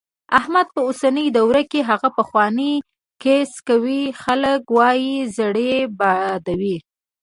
احمد په اوسني دور کې هغه پخوانۍ کیسې کوي، خلک وايي زړې بادوي.